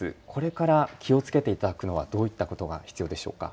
これから気をつけていただくのはどういったことが必要でしょうか。